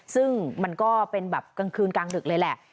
ซึ่งมันก็เป็นแบบกลางคืนกลางดึกเลยแหละ